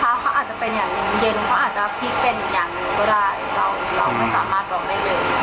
ว่าเขาจะเกิดคะเชียดพบเขาอาจจะทำอะไร